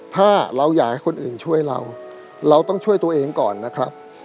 ถ้าเราอยากให้คนอื่นช่วยเราเราต้องช่วยตัวเองก่อนนะครับ